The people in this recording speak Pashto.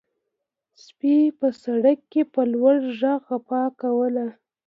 سپي په سړک کې په لوړ غږ غپا کوله.